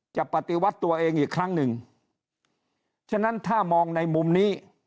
ปฏิวัติตัวเองอีกครั้งหนึ่งฉะนั้นถ้ามองในมุมนี้